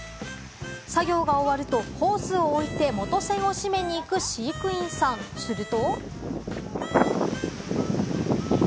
作業が終わるとホースを置いて元栓を閉めに行く飼育員さん、すると。